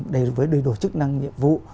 đối đổi chức năng nhiệm vụ